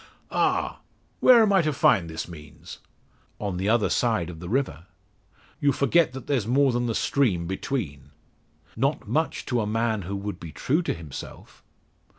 "Ah! where am I to find this means?" "On the other side of the river." "You forget that there's more than the stream between." "Not much to a man who would be true to himself."